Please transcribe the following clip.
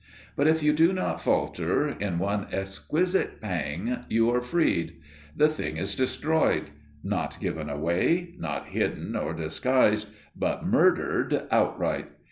But if you do not falter, in one exquisite pang you are freed. The Thing is destroyed! Not given away, not hidden or disguised, but murdered outright.